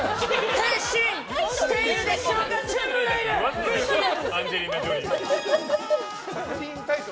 変身しているでしょうかトーゥムレイダー！